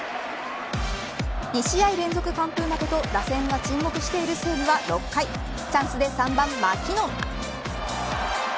２試合連続完封負けと打線が沈黙している西武は６回チャンスで３番マキノン。